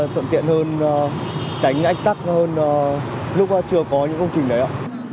thuận tiện hơn tránh ách tắc hơn lúc chưa có những công trình đấy ạ